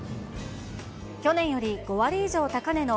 去年より５割以上高値の